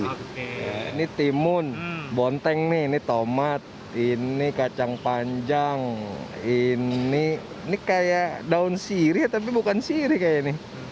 ini timun bonteng nih ini tomat ini kacang panjang ini kayak daun sirih tapi bukan sirih kayaknya nih